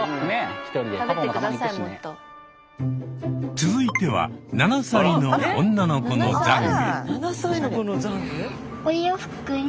続いては７歳の女の子の懺悔。